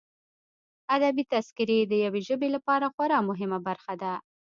ادبي تذکرې د یوه ژبې لپاره خورا مهمه برخه ده.